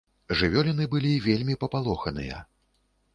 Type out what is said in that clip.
Жывёліны былі вельмі папалоханыя.